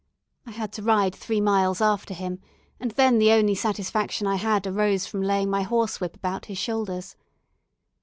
I had to ride three miles after him, and then the only satisfaction I had arose from laying my horse whip about his shoulders.